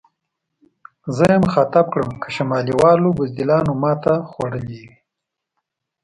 زه یې مخاطب کړم: که شمالي والو بزدلانو ماته خوړلې وي.